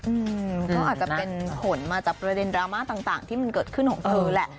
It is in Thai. อืมก็อาจจะเป็นผลมาจากประเด็นดราม่าต่างที่มันเกิดขึ้นของเธอแหละ